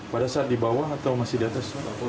pada saat di bawah atau masih di atas